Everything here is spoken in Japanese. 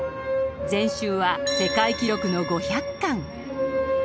全集は世界記録の５００巻。